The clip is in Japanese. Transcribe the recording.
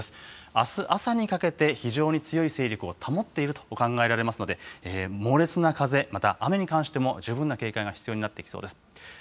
あす朝にかけて非常に強い勢力を保っていると考えられますので、猛烈な風、また雨に関しても、十分な警戒が必要なってきそうです。